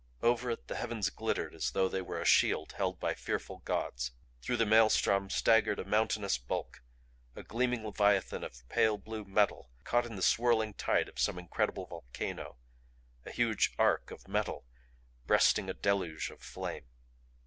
Over it the heavens glittered as though they were a shield held by fearful gods. Through the maelstrom staggered a mountainous bulk; a gleaming leviathan of pale blue metal caught in the swirling tide of some incredible volcano; a huge ark of metal breasting a deluge of flame.